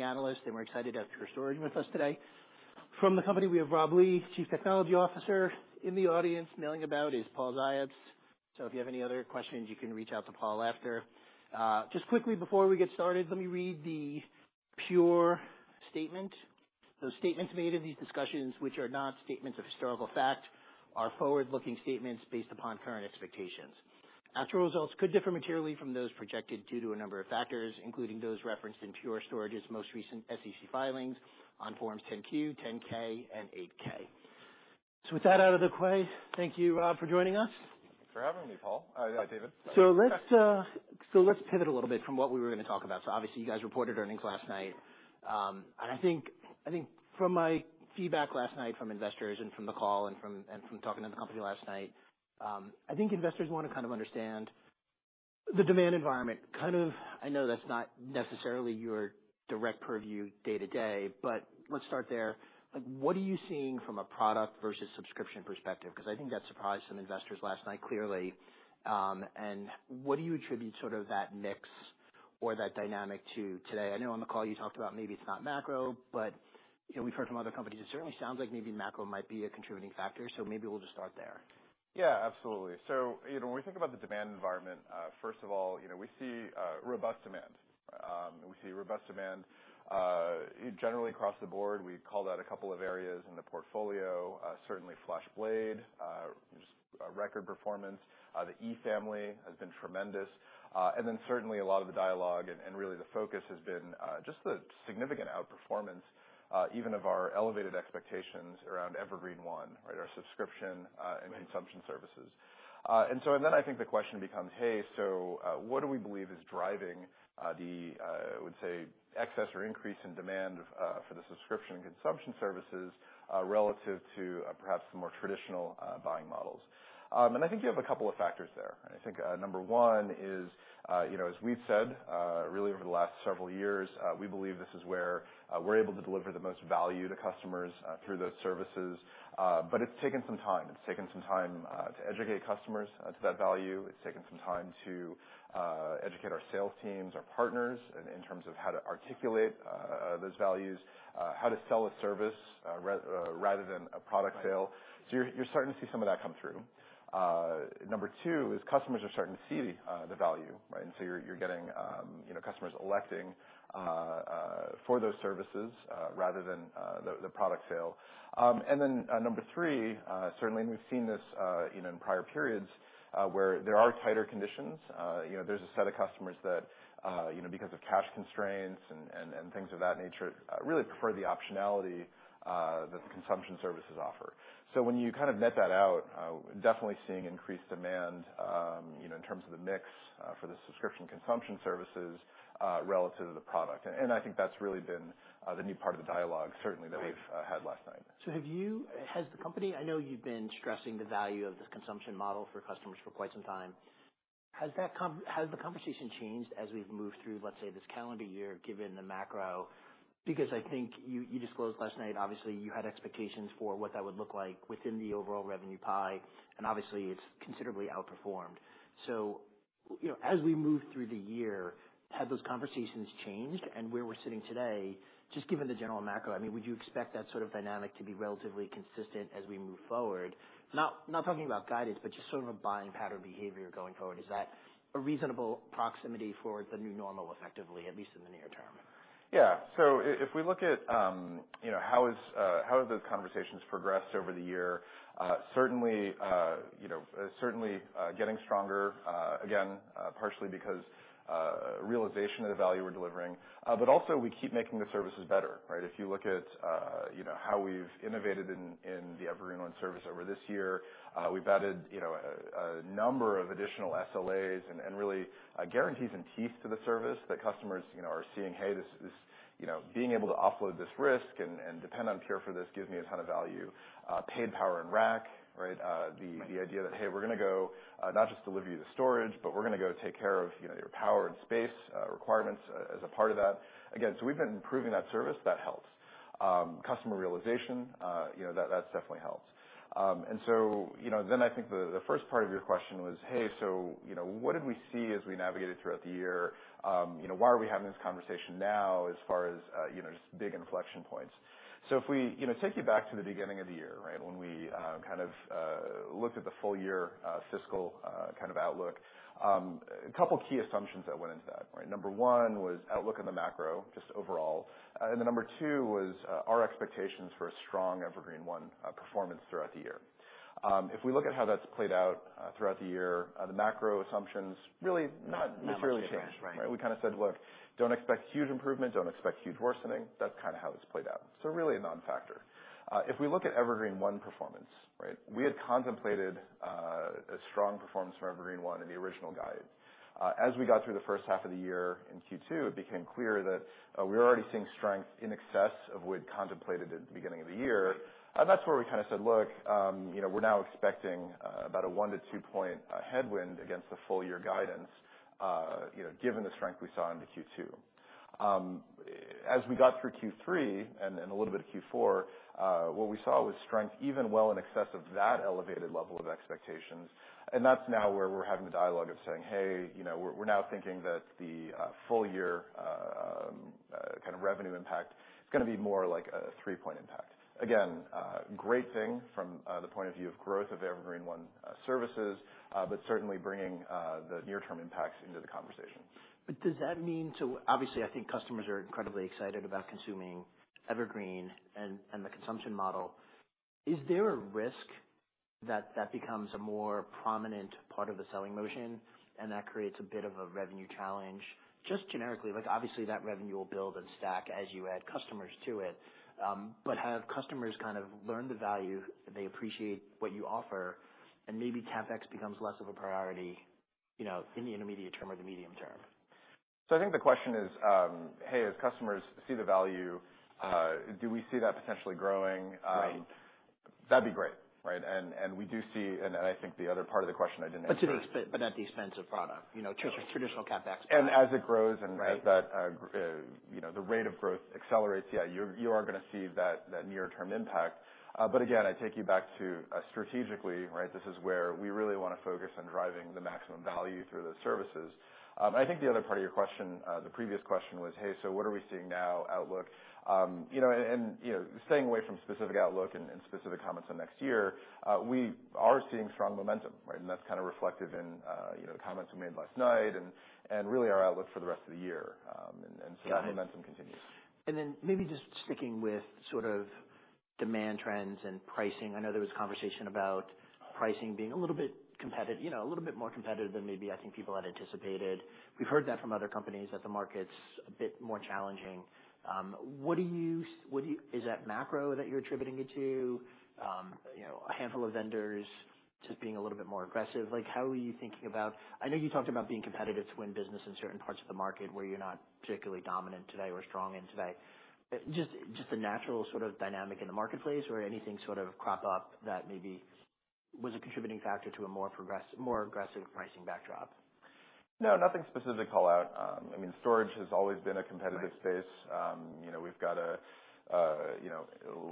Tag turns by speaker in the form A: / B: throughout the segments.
A: Analysts, and we're excited to have Pure Storage with us today. From the company, we have Rob Lee, Chief Technology Officer. In the audience, milling about, is Paul Ziots. So if you have any other questions, you can reach out to Paul after. Just quickly before we get started, let me read the Pure statement. "The statements made in these discussions, which are not statements of historical fact, are forward-looking statements based upon current expectations. Actual results could differ materially from those projected due to a number of factors, including those referenced in Pure Storage's most recent SEC filings on Forms 10-Q, 10-K, and 8-K." So with that out of the way, thank you, Rob, for joining us.
B: Thanks for having me, Paul. Yeah, David.
A: So let's pivot a little bit from what we were gonna talk about. So obviously, you guys reported earnings last night. And I think from my feedback last night from investors and from the call and from talking to the company last night, I think investors want to kind of understand the demand environment. I know that's not necessarily your direct purview day to day, but let's start there. Like, what are you seeing from a product versus subscription perspective? 'Cause I think that surprised some investors last night, clearly. And what do you attribute sort of that mix or that dynamic to today? I know on the call you talked about maybe it's not macro, but you know, we've heard from other companies, it certainly sounds like maybe macro might be a contributing factor. Maybe we'll just start there.
B: Yeah, absolutely. So, you know, when we think about the demand environment, first of all, you know, we see robust demand. We see robust demand generally across the board. We called out a couple of areas in the portfolio, certainly FlashBlade, just a record performance. The E family has been tremendous. And then certainly a lot of the dialogue and really the focus has been just the significant outperformance even of our elevated expectations around Evergreen//One, right? Our subscription and consumption services. So then I think the question becomes, hey, so, what do we believe is driving the, I would say, excess or increase in demand for the subscription and consumption services relative to perhaps the more traditional buying models? And I think you have a couple of factors there. I think, number one is, you know, as we've said, really over the last several years, we believe this is where, we're able to deliver the most value to customers, through those services. But it's taken some time. It's taken some time, to educate customers, to that value. It's taken some time to, educate our sales teams, our partners, in terms of how to articulate, those values, how to sell a service, rather than a product sale.
A: Right.
B: So you're starting to see some of that come through. Number two is customers are starting to see the value, right? And so you're getting, you know, customers electing for those services rather than the product sale. And then number three, certainly, and we've seen this, you know, in prior periods where there are tighter conditions. You know, there's a set of customers that, you know, because of cash constraints and things of that nature, really prefer the optionality that the consumption services offer. So when you kind of net that out, definitely seeing increased demand, you know, in terms of the mix, for the subscription consumption services relative to the product. I think that's really been the new part of the dialogue, certainly, that we've had last night.
A: Has the company? I know you've been stressing the value of this consumption model for customers for quite some time. Has the conversation changed as we've moved through, let's say, this calendar year, given the macro? Because I think you disclosed last night, obviously, you had expectations for what that would look like within the overall revenue pie, and obviously, it's considerably outperformed. So, you know, as we move through the year, have those conversations changed? And where we're sitting today, just given the general macro, I mean, would you expect that sort of dynamic to be relatively consistent as we move forward? Not talking about guidance, but just sort of a buying pattern behavior going forward. Is that a reasonable proximity for the new normal, effectively, at least in the near term?
B: Yeah. So if we look at, you know, how have those conversations progressed over the year? Certainly, you know, certainly getting stronger, again, partially because realization of the value we're delivering, but also we keep making the services better, right? If you look at, you know, how we've innovated in the Evergreen//One service over this year, we've added, you know, a number of additional SLAs and really guarantees in teeth to the service that customers, you know, are seeing, hey, this, this you know, being able to offload this risk and depend on Pure for this, gives me a ton of value. Paid Power and Rack, right? The-
A: Right
B: the idea that, hey, we're gonna go not just deliver you the storage, but we're gonna go take care of, you know, your power and space requirements as a part of that. Again, so we've been improving that service. That helps. Customer realization, you know, that definitely helps. And so, you know, then I think the first part of your question was, hey, so, you know, what did we see as we navigated throughout the year? You know, why are we having this conversation now, as far as, you know, just big inflection points? So if we, you know, take you back to the beginning of the year, right? When we kind of looked at the full year fiscal kind of outlook. A couple key assumptions that went into that, right? Number one was outlook on the macro, just overall. And then number two was, our expectations for a strong Evergreen//One performance throughout the year. If we look at how that's played out, throughout the year, the macro assumptions really not necessarily changed.
A: Not much changed, right?
B: Right. We kind of said, "Look, don't expect huge improvement. Don't expect huge worsening." That's kind of how it's played out, so really a non-factor. If we look at Evergreen//One performance, right? We had contemplated a strong performance from Evergreen//One in the original guide. As we got through the first half of the year in Q2, it became clear that we were already seeing strength in excess of what we had contemplated at the beginning of the year. And that's where we kind of said, "Look, you know, we're now expecting about a 1-2 point headwind against the full year guidance, you know, given the strength we saw into Q2." As we got through Q3 and a little bit of Q4, what we saw was strength even well in excess of that elevated level of expectations, and that's now where we're having the dialogue of saying, "Hey, you know, we're now thinking that the full year kind of revenue impact is gonna be more like a 3-point impact." again, great thing from the point of view of growth of Evergreen//One services, but certainly bringing the near-term impacts into the conversation.
A: But does that mean, so obviously, I think customers are incredibly excited about consuming Evergreen and the consumption model. Is there a risk that that becomes a more prominent part of the selling motion, and that creates a bit of a revenue challenge? Just generically, like, obviously, that revenue will build and stack as you add customers to it. But have customers kind of learned the value, and they appreciate what you offer, and maybe CapEx becomes less of a priority, you know, in the intermediate term or the medium term?
B: I think the question is: Hey, as customers see the value, do we see that potentially growing?
A: Right.
B: That'd be great, right? And we do see -- and I think the other part of the question I didn't answer-
A: But at the expense of product, you know, traditional CapEx.
B: And as it grows, and as that, you know, the rate of growth accelerates, yeah, you're, you are going to see that, that near term impact. But again, I take you back to, strategically, right? This is where we really want to focus on driving the maximum value through those services. I think the other part of your question, the previous question was: Hey, so what are we seeing now, outlook? You know, and, you know, staying away from specific outlook and, and specific comments on next year, we are seeing strong momentum, right? And that's kind of reflective in, you know, the comments we made last night and, and really our outlook for the rest of the year. And, and so that momentum continues.
A: Got it. And then maybe just sticking with sort of demand trends and pricing. I know there was conversation about pricing being a little bit competitive, you know, a little bit more competitive than maybe I think people had anticipated. We've heard that from other companies, that the market's a bit more challenging. What do you? Is that macro that you're attributing it to? You know, a handful of vendors just being a little bit more aggressive. Like, how are you thinking about? I know you talked about being competitive to win business in certain parts of the market where you're not particularly dominant today or strong in today. Just the natural sort of dynamic in the marketplace or anything sort of crop up that maybe was a contributing factor to a more aggressive pricing backdrop?
B: No, nothing specific to call out. I mean, storage has always been a competitive space.
A: Right.
B: You know, we've got a you know,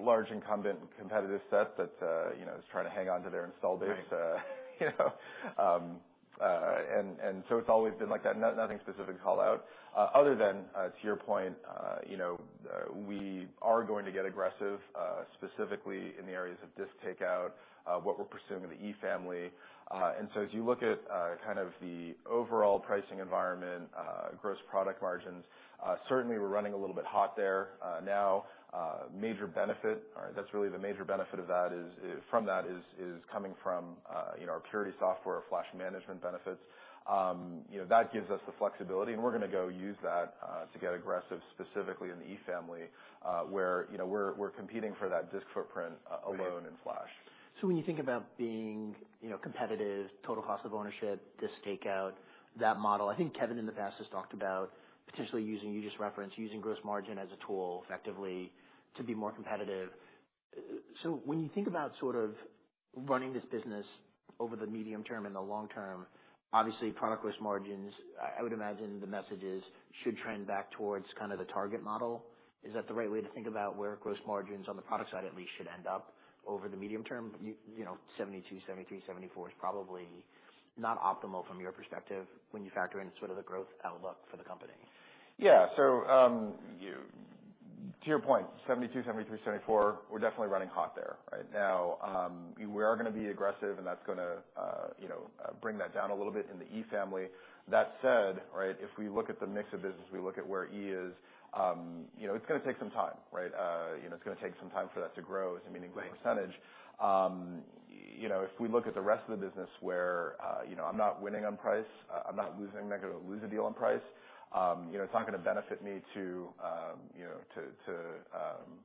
B: large incumbent competitive set that you know, is trying to hang on to their installed base. You know, and so it's always been like that. Nothing specific to call out. Other than, to your point, you know, we are going to get aggressive, specifically in the areas of disk takeout, what we're pursuing in the E family. And so as you look at, kind of the overall pricing environment, gross product margins, certainly we're running a little bit hot there. Now, major benefit, all right, that's really the major benefit of that is coming from, you know, our Purity software, flash management benefits. You know, that gives us the flexibility, and we're going to go use that to get aggressive, specifically in the E family, where, you know, we're competing for that disk footprint alone in Flash.
A: So when you think about being, you know, competitive, total cost of ownership, this takeout, that model, I think Kevan in the past has talked about potentially using, you just referenced, using gross margin as a tool effectively to be more competitive. So when you think about sort of running this business over the medium term and the long term, obviously product gross margins, I, I would imagine the message is, should trend back towards kind of the target model. Is that the right way to think about where gross margins on the product side, at least, should end up over the medium term? You, you know, 72, 73, 74 is probably not optimal from your perspective when you factor in sort of the growth outlook for the company.
B: Yeah. So, to your point, 72, 73, 74, we're definitely running hot there right now. We are gonna be aggressive, and that's gonna, you know, bring that down a little bit in the E family. That said, right, if we look at the mix of business, we look at where E is, you know, it's gonna take some time, right? You know, it's gonna take some time for that to grow as a meaningful percentage.
A: Right.
B: You know, if we look at the rest of the business where, you know, I'm not winning on price, I'm not losing, not gonna lose a deal on price, you know, it's not gonna benefit me to, you know, to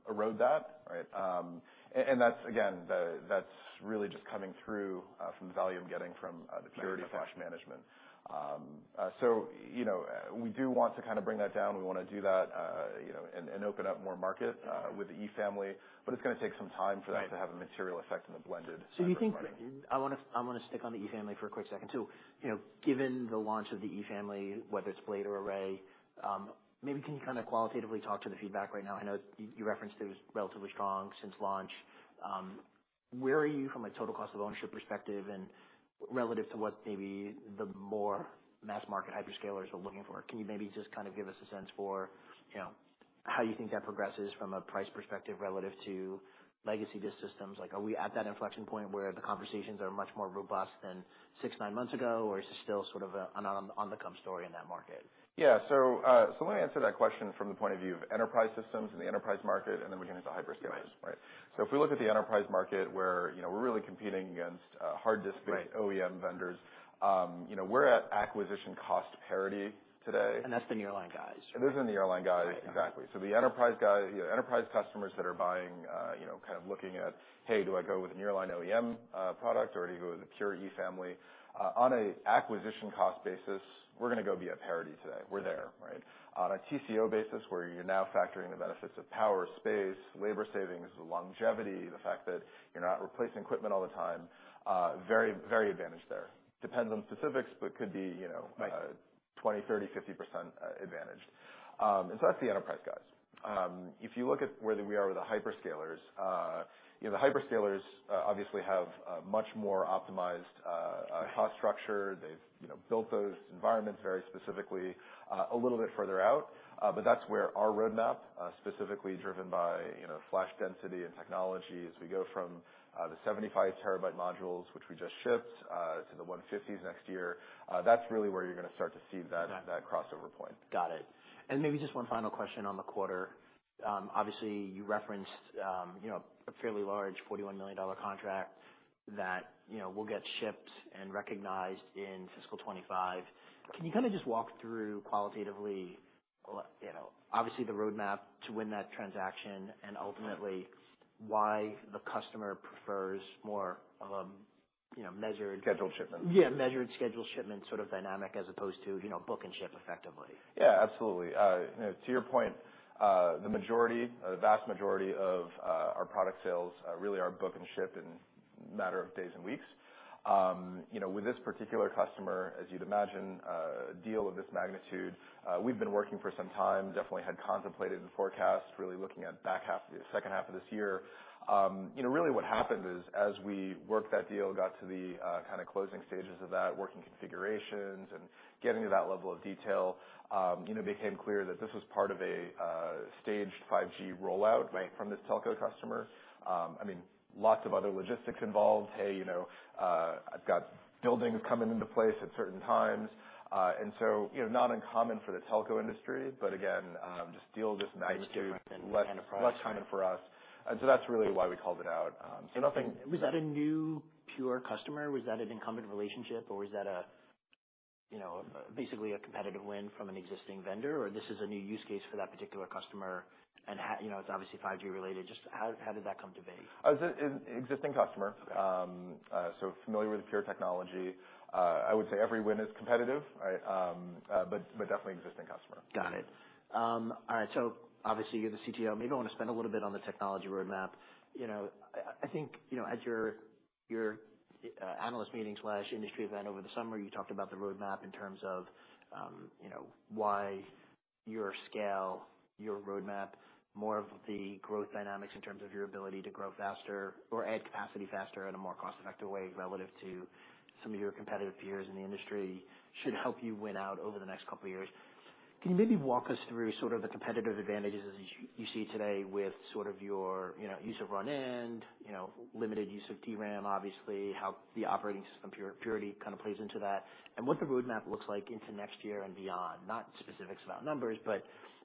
B: erode that, right? And that's again, that's really just coming through from the value I'm getting from the Purity of Flash management.
A: Got it.
B: So, you know, we do want to kind of bring that down. We want to do that, you know, and open up more market with the E family, but it's gonna take some time for that-
A: Right
B: to have a material effect on the blended.
A: So, do you think I want to stick on the E family for a quick second, too. You know, given the launch of the E family, whether it's Blade or Array, maybe can you kind of qualitatively talk to the feedback right now? I know you, you referenced it was relatively strong since launch. Where are you from a total cost of ownership perspective and relative to what maybe the more mass-market hyperscalers are looking for? Can you maybe just kind of give us a sense for, you know, how you think that progresses from a price perspective relative to legacy disk systems? Like, are we at that inflection point where the conversations are much more robust than 6, 9 months ago, or is it still sort of a, an on-the-come story in that market?
B: Yeah. So, let me answer that question from the point of view of enterprise systems and the enterprise market, and then we get into hyperscalers.
A: Right.
B: Right? So if we look at the enterprise market, where, you know, we're really competing against hard disk-
A: Right
B: OEM vendors, you know, we're at acquisition cost parity today.
A: That's the nearline guys.
B: Those are the nearline guys.
A: Right.
B: Exactly. So the enterprise guy, enterprise customers that are buying, you know, kind of looking at, hey, do I go with a nearline OEM product, or do I go with a Pure E family? On a acquisition cost basis, we're gonna go be at parity today. We're there, right? On a TCO basis, where you're now factoring the benefits of power, space, labor savings, the longevity, the fact that you're not replacing equipment all the time, very, very advantaged there. Depends on the specifics, but could be, you know-
A: Right
B: 20%, 30%, 50% advantage. And so that's the enterprise guys. If you look at where we are with the hyperscalers you know, the hyperscalers obviously have a much more optimized cost structure. They've, you know, built those environments very specifically, a little bit further out. But that's where our roadmap, specifically driven by, you know, flash density and technology, as we go from the 75 TB modules, which we just shipped, to the 150s next year. That's really where you're going to start to see that-
A: Got it.
B: that crossover point.
A: Got it. And maybe just one final question on the quarter. Obviously, you referenced, you know, a fairly large $41 million contract that, you know, will get shipped and recognized in fiscal 2025. Can you kind of just walk through qualitatively, what, you know, obviously, the roadmap to win that transaction, and ultimately, why the customer prefers more of a, you know, measured-
B: Scheduled shipment.
A: Yeah, measured scheduled shipment sort of dynamic as opposed to, you know, book and ship effectively?
B: Yeah, absolutely. You know, to your point, the majority, the vast majority of our product sales really are book and ship in a matter of days and weeks. You know, with this particular customer, as you'd imagine, a deal of this magnitude, we've been working for some time, definitely had contemplated and forecast, really looking at back half, the second half of this year. You know, really what happened is as we worked that deal, got to the kind of closing stages of that, working configurations and getting to that level of detail, you know, became clear that this was part of a staged 5G rollout-
A: Right.
B: -from this telco customer. I mean, lots of other logistics involved. Hey, you know, I've got buildings coming into place at certain times. And so, you know, not uncommon for the telco industry, but again, just deal this magnitude-
A: It's different than enterprise.
B: -less common for us. And so that's really why we called it out. So nothing-
A: Was that a new Pure customer? Was that an incumbent relationship, or was that a, you know, basically a competitive win from an existing vendor, or this is a new use case for that particular customer, and you know, it's obviously 5G related? Just how, how did that come to be?
B: It's an existing customer, so familiar with the Pure technology. I would say every win is competitive, right? But definitely existing customer.
A: Got it. All right. So obviously, you're the CTO. Maybe I want to spend a little bit on the technology roadmap. You know, I think, you know, at your analyst meeting/industry event over the summer, you talked about the roadmap in terms of, you know, why your scale, your roadmap, more of the growth dynamics in terms of your ability to grow faster or add capacity faster at a more cost-effective way relative to some of your competitive peers in the industry, should help you win out over the next couple of years. Can you maybe walk us through sort of the competitive advantages as you see today with sort of your, you know, use of DirectFlash, you know, limited use of DRAM, obviously, how the operating system Purity kind of plays into that, and what the roadmap looks like into next year and beyond? Not specifics about numbers, but, you know,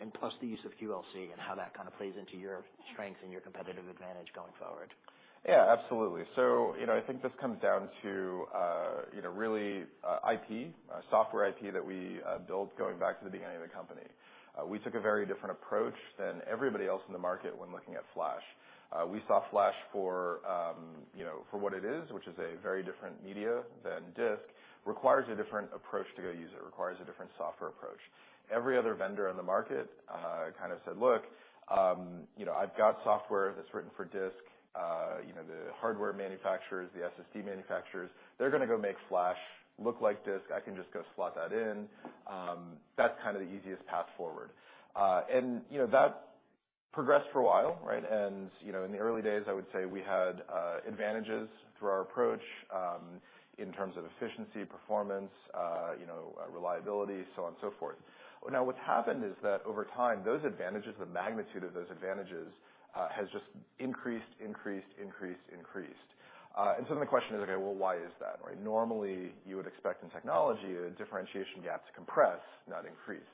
A: and plus the use of QLC and how that kind of plays into your strength and your competitive advantage going forward.
B: Yeah, absolutely. So, you know, I think this comes down to, you know, really, IP, software IP that we built going back to the beginning of the company. We took a very different approach than everybody else in the market when looking at Flash. We saw Flash for, you know, for what it is, which is a very different media than disk, requires a different approach to go use it. Requires a different software approach. Every other vendor on the market kind of said: Look, you know, I've got software that's written for disk. You know, the hardware manufacturers, the SSD manufacturers, they're going to go make Flash look like disk. I can just go slot that in. That's kind of the easiest path forward. And, you know, that progressed for a while, right? You know, in the early days, I would say we had advantages through our approach, in terms of efficiency, performance, you know, reliability, so on, so forth. Now, what's happened is that over time, those advantages, the magnitude of those advantages, has just increased, increased, increased, increased. And so then the question is, okay, well, why is that? Right? Normally, you would expect in technology, a differentiation gap to compress, not increase.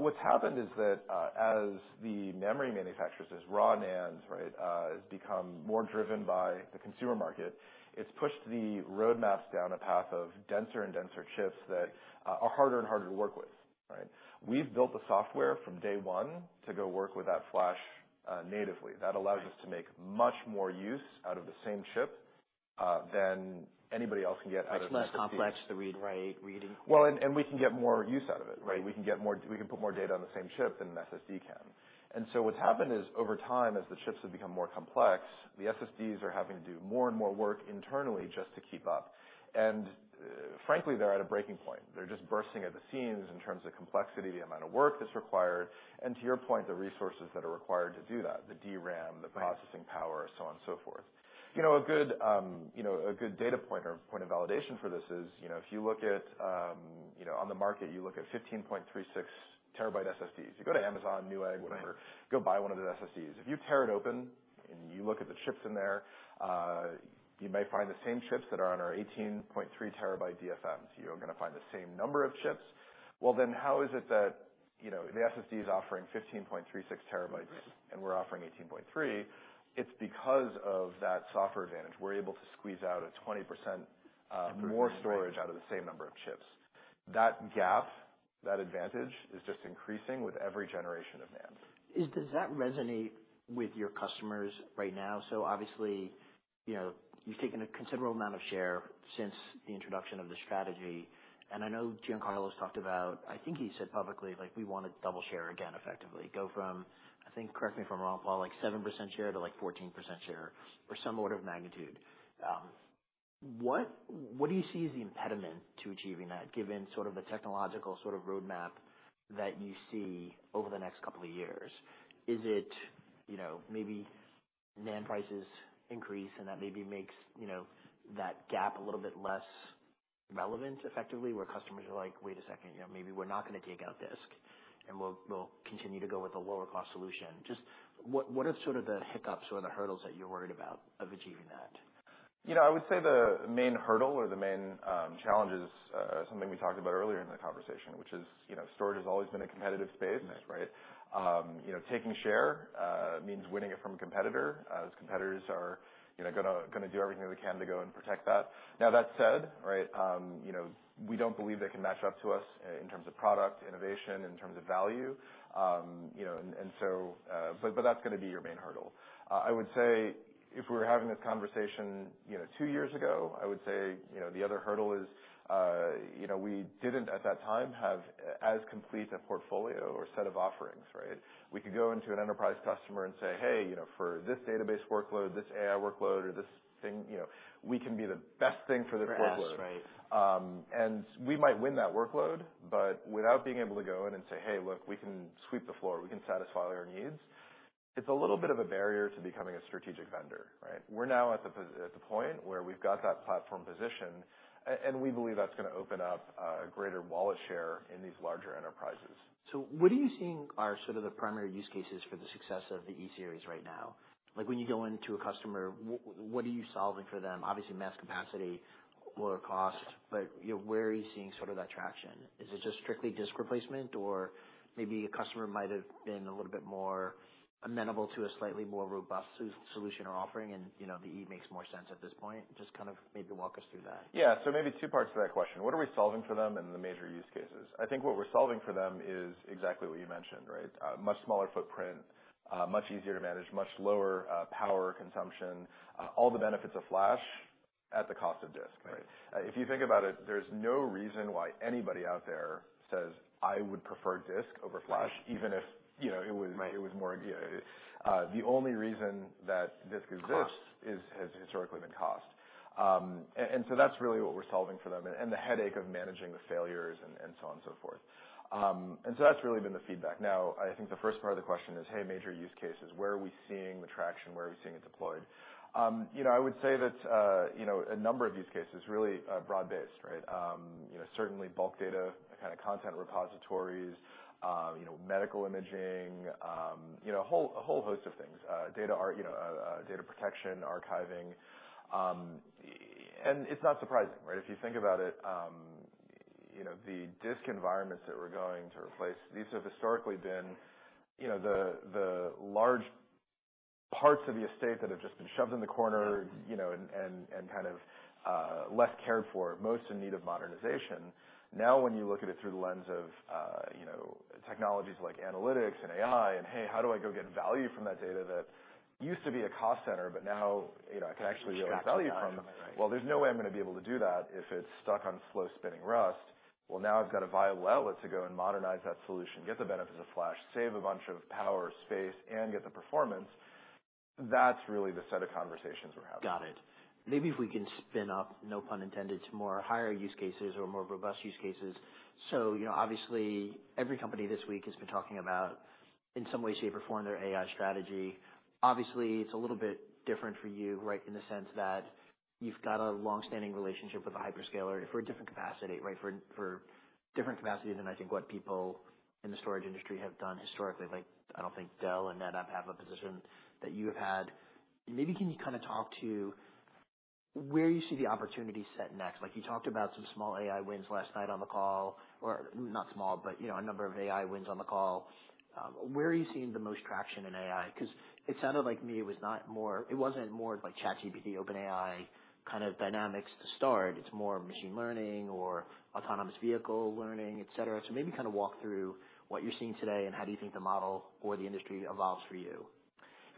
B: What's happened is that, as the memory manufacturers, as raw NAND, right, has become more driven by the consumer market, it's pushed the road maps down a path of denser and denser chips that are harder and harder to work with, right? We've built the software from day one to go work with that Flash natively. That allows us to make much more use out of the same chip than anybody else can get out of the SSDs.
A: Much less complex, the read, write, reading.
B: Well, and we can get more use out of it, right?
A: Right.
B: We can put more data on the same chip than an SSD can. And so what's happened is, over time, as the chips have become more complex, the SSDs are having to do more and more work internally just to keep up. And frankly, they're at a breaking point. They're just bursting at the seams in terms of complexity, the amount of work that's required, and to your point, the resources that are required to do that, the DRAM-
A: Right.
B: the processing power, so on, so forth. You know, a good, you know, a good data point or point of validation for this is, you know, if you look at, you know, on the market, you look at 15.36 TB SSDs. You go to Amazon, Newegg, whatever, go buy one of the SSDs. If you tear it open and you look at the chips in there, you may find the same chips that are on our 18.3 TB DFM. So you're going to find the same number of chips. Well, then how is it that, you know, the SSD is offering 15.36 TB-
A: Right.
B: And we're offering 18.3? It's because of that software advantage. We're able to squeeze out a 20% more storage-
A: Right.
B: out of the same number of chips. That gap, that advantage, is just increasing with every generation of NAND.
A: Does that resonate with your customers right now? So obviously, you know, you've taken a considerable amount of share since the introduction of the strategy, and I know Giancarlo's talked about I think he said publicly, like, we want to double share again, effectively. Go from, I think, correct me if I'm wrong, Paul, like 7% share to like 14% share or some order of magnitude. What do you see as the impediment to achieving that, given sort of the technological roadmap that you see over the next couple of years? Is it, you know, maybe NAND prices increase, and that maybe makes, you know, that gap a little bit less relevant effectively, where customers are like, "Wait a second, you know, maybe we're not going to take out disk, and we'll, we'll continue to go with a lower-cost solution." Just what, what are sort of the hiccups or the hurdles that you're worried about of achieving that?
B: You know, I would say the main hurdle or the main challenge is something we talked about earlier in the conversation, which is, you know, storage has always been a competitive space, right?
A: Right.
B: You know, taking share means winning it from a competitor, as competitors are, you know, gonna do everything they can to go and protect that. Now, that said, right, you know, we don't believe they can match up to us in terms of product, innovation, in terms of value, you know, and so. But that's going to be your main hurdle. I would say if we were having this conversation, you know, two years ago, I would say, you know, the other hurdle is, you know, we didn't, at that time, have as complete a portfolio or set of offerings, right? We could go into an enterprise customer and say, "Hey, you know, for this database workload, this AI workload, or this thing, you know, we can be the best thing for their workload.
A: Ask, right.
B: We might win that workload, but without being able to go in and say, "Hey, look, we can sweep the floor. We can satisfy all your needs," it's a little bit of a barrier to becoming a strategic vendor, right? We're now at the point where we've got that platform position, and we believe that's going to open up a greater wallet share in these larger enterprises.
A: So what are you seeing are sort of the primary use cases for the success of the E-series right now? Like, when you go into a customer, what are you solving for them? Obviously, mass capacity, lower cost, but, you know, where are you seeing sort of that traction? Is it just strictly disk replacement, or maybe a customer might have been a little bit more amenable to a slightly more robust solution or offering, and, you know, the E makes more sense at this point? Just kind of maybe walk us through that.
B: Yeah. So maybe two parts to that question: What are we solving for them and the major use cases. I think what we're solving for them is exactly what you mentioned, right? Much smaller footprint, much easier to manage, much lower, power consumption, all the benefits of flash at the cost of disk, right?
A: Right.
B: If you think about it, there's no reason why anybody out there says, "I would prefer disk over flash," even if, you know, it was-
A: Right
B: it was more, you know. The only reason that disk exists-
A: Cost
B: is, has historically been cost. And so that's really what we're solving for them, and the headache of managing the failures and so on and so forth. And so that's really been the feedback. Now, I think the first part of the question is, hey, major use cases, where are we seeing the traction? Where are we seeing it deployed? You know, I would say that, you know, a number of use cases, really, broad-based, right? You know, certainly bulk data, kind of content repositories, you know, medical imaging, you know, a whole, a whole host of things. Data protection, archiving. And it's not surprising, right? If you think about it, you know, the disk environments that we're going to replace, these have historically been, you know, the large parts of the estate that have just been shoved in the corner, you know, and kind of less cared for, most in need of modernization. Now, when you look at it through the lens of, you know, technologies like analytics and AI, and, hey, how do I go get value from that data that used to be a cost center, but now, you know, I can actually derive value from it?
A: Extract the value, right?
B: Well, there's no way I'm going to be able to do that if it's stuck on slow-spinning rust. Well, now I've got a viable outlet to go and modernize that solution, get the benefits of flash, save a bunch of power, space, and get the performance. That's really the set of conversations we're having.
A: Got it. Maybe if we can spin up, no pun intended, to more higher use cases or more robust use cases. So, you know, obviously, every company this week has been talking about, in some way, shape, or form, their AI strategy. Obviously, it's a little bit different for you, right? In the sense that you've got a long-standing relationship with a hyperscaler for a different capacity, right? For, for different capacities than I think what people in the storage industry have done historically. Like, I don't think Dell and NetApp have a position that you have had. Maybe can you kind of talk to where you see the opportunity set next? Like, you talked about some small AI wins last night on the call, or not small, but, you know, a number of AI wins on the call. Where are you seeing the most traction in AI? 'Cause it sounded like to me, it was not more, it wasn't more like ChatGPT, OpenAI kind of dynamics to start. It's more machine learning or autonomous vehicle learning, et cetera. So maybe kind of walk through what you're seeing today and how do you think the model or the industry evolves for you?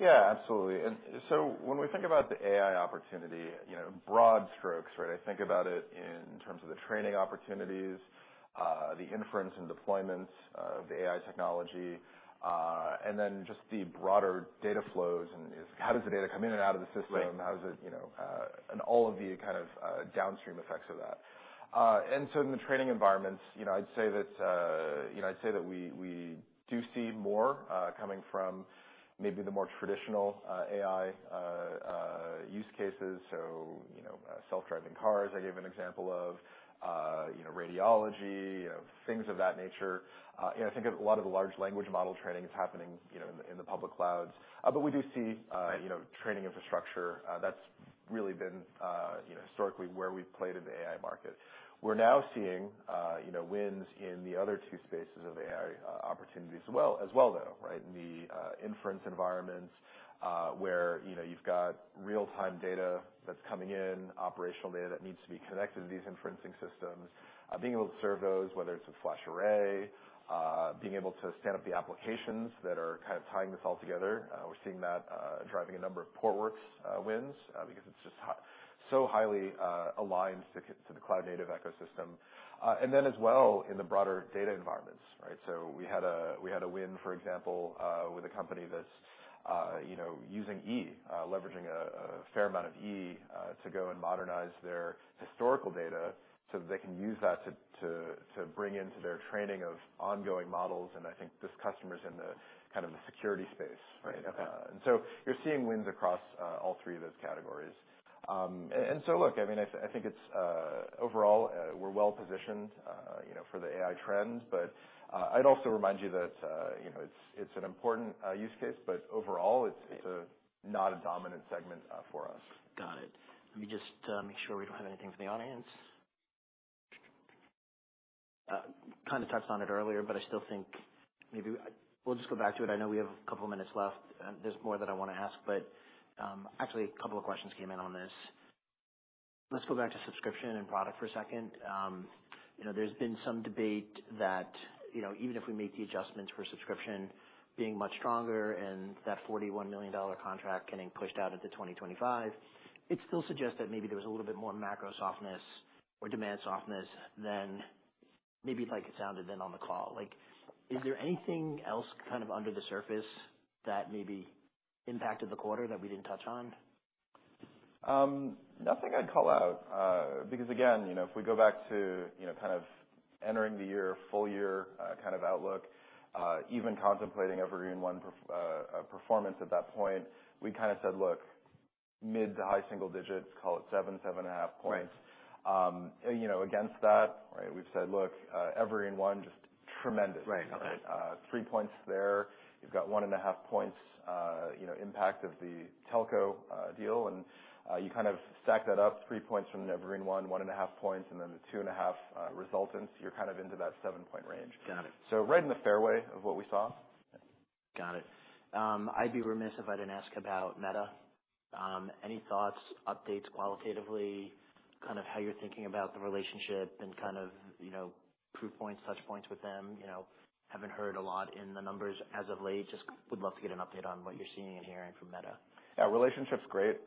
B: Yeah, absolutely. And so when we think about the AI opportunity, you know, broad strokes, right? I think about it in terms of the training opportunities, the inference and deployments of the AI technology, and then just the broader data flows, and how does the data come in and out of the system?
A: Right.
B: How does it, you know? And all of the kind of downstream effects of that. And so in the training environments, you know, I'd say that, you know, I'd say that we, we do see more coming from maybe the more traditional AI use cases. So, you know, self-driving cars, I gave an example of, you know, radiology, you know, things of that nature. You know, I think a lot of the large language model training is happening, you know, in the public clouds. But we do see, you know, training infrastructure that's really been, you know, historically where we've played in the AI market. We're now seeing, you know, wins in the other two spaces of AI opportunities as well, as well, though, right? In the inference environments, where, you know, you've got real-time data that's coming in, operational data that needs to be connected to these inferencing systems. Being able to serve those, whether it's a FlashArray, being able to stand up the applications that are kind of tying this all together, we're seeing that driving a number of Portworx wins, because it's just so highly aligned to the cloud-native ecosystem. And then as well, in the broader data environments, right? So we had a win, for example, with a company that's, you know, using E, leveraging a fair amount of E to go and modernize their historical data so that they can use that to bring into their training of ongoing models, and I think this customer's in the, kind of the security space, right?
A: Okay.
B: You're seeing wins across all three of those categories. Look, I mean, I think it's overall we're well positioned, you know, for the AI trends. But I'd also remind you that, you know, it's an important use case, but overall, it's not a dominant segment for us.
A: Got it. Let me just make sure we don't have anything from the audience. Kind of touched on it earlier, but I still think maybe we'll just go back to it. I know we have a couple of minutes left, and there's more that I want to ask, but, actually, a couple of questions came in on this. Let's go back to subscription and product for a second. You know, there's been some debate that, you know, even if we make the adjustments for subscription being much stronger and that $41 million contract getting pushed out into 2025, it still suggests that maybe there was a little bit more macro softness or demand softness than maybe it, like, it sounded then on the call. Like, is there anything else kind of under the surface that maybe impacted the quarter that we didn't touch on?
B: Nothing I'd call out. Because, again, you know, if we go back to, you know, kind of entering the year, full year, kind of outlook, even contemplating Evergreen//One, performance at that point, we kind of said, "Look, mid to high single digits, call it 7, 7.5 points.
A: Right.
B: You know, against that, right, we've said, "Look, Evergreen//One, just tremendous.
A: Right. Okay.
B: Three points there. You've got 1.5 points, you know, impact of the telco deal. And you kind of stack that up, 3 points from the Evergreen//One, 1.5 points, and then the 2.5 resultants. You're kind of into that 7-point range.
A: Got it.
B: Right in the fairway of what we saw.
A: Got it. I'd be remiss if I didn't ask about Meta. Any thoughts, updates, qualitatively, kind of how you're thinking about the relationship and kind of, you know, proof points, touch points with them? You know, haven't heard a lot in the numbers as of late. Just would love to get an update on what you're seeing and hearing from Meta.
B: Yeah, relationship's great.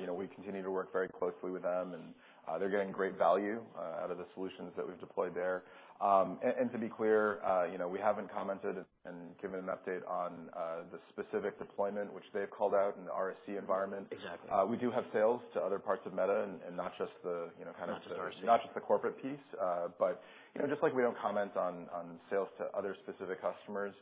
B: You know, we continue to work very closely with them, and they're getting great value out of the solutions that we've deployed there. And to be clear, you know, we haven't commented and given an update on the specific deployment, which they've called out in the RSC environment.
A: Exactly.
B: We do have sales to other parts of Meta and not just the, you know, kind of the-
A: Not just the RSC.
B: Not just the corporate piece. But you know, just like we don't comment on sales to other specific customers,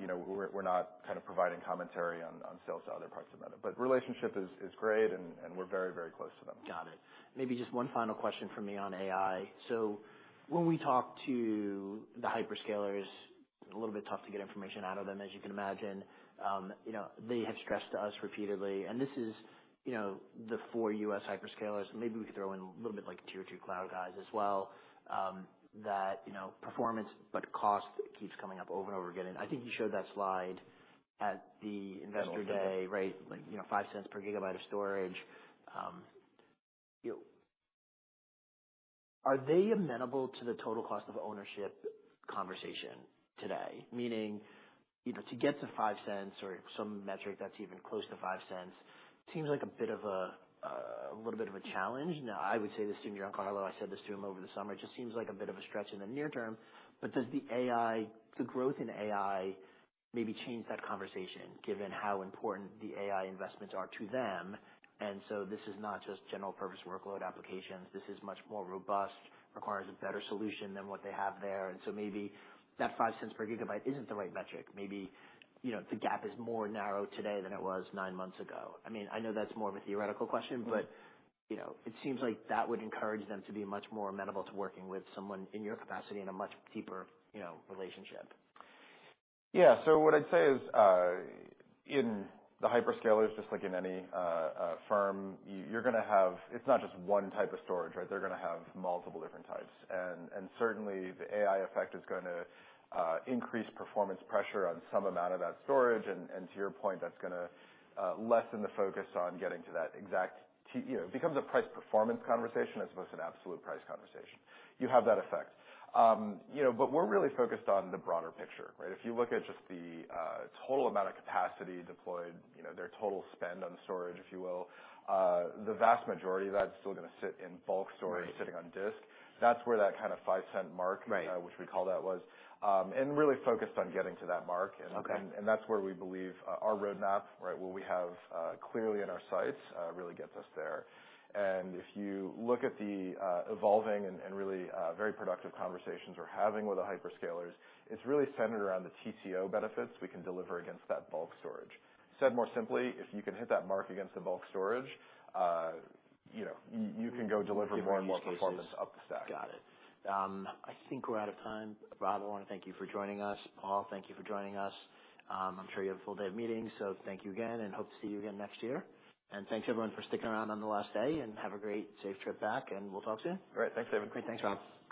B: you know, we're not kind of providing commentary on sales to other parts of Meta. But the relationship is great, and we're very, very close to them.
A: Got it. Maybe just one final question for me on AI. So when we talk to the hyperscalers, a little bit tough to get information out of them, as you can imagine. You know, they have stressed to us repeatedly, and this is, you know, the four U.S. hyperscalers, maybe we could throw in a little bit like tier two cloud guys as well, that, you know, performance, but cost keeps coming up over and over again. And I think you showed that slide at the Investor Day, right?
B: Mm-hmm.
A: You know, $0.05 per GB of storage. You know, are they amenable to the total cost of ownership conversation today? Meaning, you know, to get to $0.05 or some metric that's even close to $0.05, seems like a bit of a, a little bit of a challenge. Now, I would say this to Giancarlo, I said this to him over the summer, it just seems like a bit of a stretch in the near term. But does the AI, the growth in AI, maybe change that conversation, given how important the AI investments are to them? And so this is not just general purpose workload applications. This is much more robust, requires a better solution than what they have there, and so maybe that $0.05 per GB isn't the right metric. Maybe, you know, the gap is more narrow today than it was nine months ago. I mean, I know that's more of a theoretical question-
B: Mm-hmm.
A: But, you know, it seems like that would encourage them to be much more amenable to working with someone in your capacity in a much deeper, you know, relationship.
B: Yeah. So what I'd say is, in the hyperscalers, just like in any firm, you're gonna have. It's not just one type of storage, right? They're gonna have multiple different types. And certainly, the AI effect is gonna increase performance pressure on some amount of that storage. And to your point, that's gonna lessen the focus on getting to that exact TCO. You know, it becomes a price performance conversation as opposed to an absolute price conversation. You have that effect. You know, but we're really focused on the broader picture, right? If you look at just the total amount of capacity deployed, you know, their total spend on storage, if you will, the vast majority of that is still gonna sit in bulk storage.
A: Right
B: sitting on disk. That's where that kind of 5-cent mark-
A: Right
B: which we call that, was, and really focused on getting to that mark.
A: Okay.
B: And that's where we believe our roadmap, right, what we have clearly in our sights really gets us there. And if you look at the evolving and really very productive conversations we're having with the hyperscalers, it's really centered around the TCO benefits we can deliver against that bulk storage. Said more simply, if you can hit that mark against the bulk storage, you know, you can go deliver more and more performance up the stack.
A: Got it. I think we're out of time. Rob, I wanna thank you for joining us. Paul, thank you for joining us. I'm sure you have a full day of meetings, so thank you again, and hope to see you again next year. And thanks, everyone, for sticking around on the last day, and have a great, safe trip back, and we'll talk soon.
B: All right. Thanks, everyone.
A: Great. Thanks, Rob.